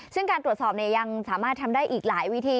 ซึ่งการตรวจสอบยังสามารถทำได้อีกหลายวิธี